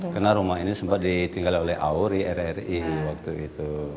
karena rumah ini sempat ditinggal oleh auri rri waktu itu